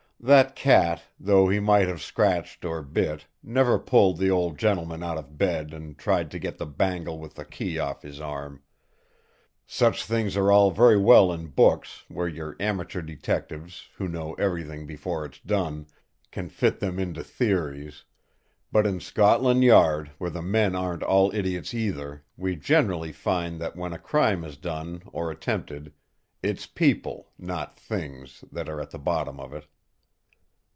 That cat, though he might have scratched or bit, never pulled the old gentleman out of bed, and tried to get the bangle with the key off his arm. Such things are all very well in books where your amateur detectives, who know everything before it's done, can fit them into theories; but in Scotland Yard, where the men aren't all idiots either, we generally find that when crime is done, or attempted, it's people, not things, that are at the bottom of it."